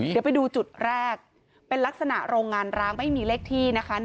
เดี๋ยวไปดูจุดแรกเป็นลักษณะโรงงานร้างไม่มีเลขที่นะคะ